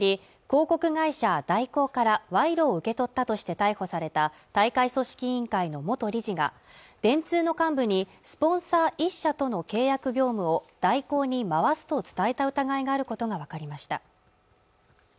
広告会社大広から賄賂を受け取ったとして逮捕された大会組織委員会の元理事が電通の幹部にスポンサー１社との契約業務を大広に回すと伝えた疑いがあることが分かりました